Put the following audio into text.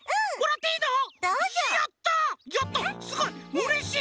うれしい！